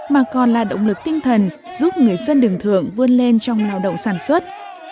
mà còn là động lực tinh thần giúp người dân đường thượng vươn lên trong lao động sản xuất